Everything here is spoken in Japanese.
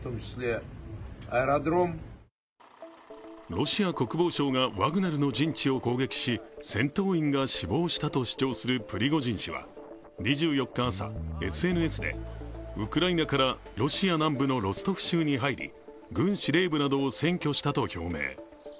ロシア国防省がワグネルの陣地を攻撃し戦闘員が死亡したと主張するプリゴジン氏は２４日朝、ＳＮＳでウクライナからロシア南部のロストフ州に入り軍司令部などを占拠したと表明。